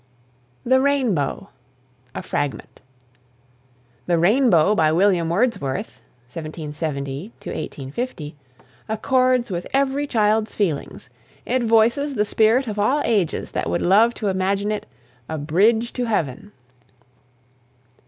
THE RAINBOW. (A FRAGMENT.) "The Rainbow," by William Wordsworth (1770 1850), accords with every child's feelings. It voices the spirit of all ages that would love to imagine it "a bridge to heaven."